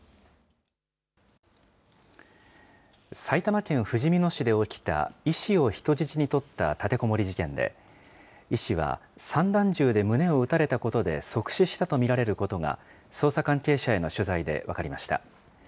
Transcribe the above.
埼玉県ふじみ野市で起きた、医師を人質に取った立てこもり事件で、医師は散弾銃で胸を撃たれたことで即死したと見られることが、捜査関係者への取材で分かりました。